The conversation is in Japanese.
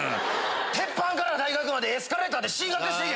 鉄板から大学までエスカレーターで進学して行け